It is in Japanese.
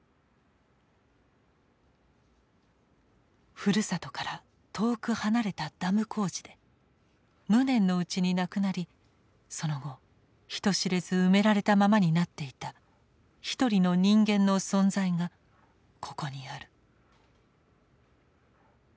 ふるさとから遠く離れたダム工事で無念のうちに亡くなりその後人知れず埋められたままになっていたひとりの人間の存在がここにある。